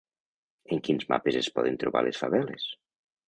En quins mapes es poden trobar les faveles?